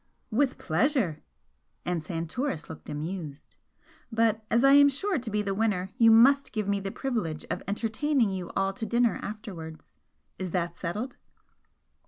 "With pleasure!" and Santoris looked amused "But as I am sure to be the winner, you must give me the privilege of entertaining you all to dinner afterwards. Is that settled?"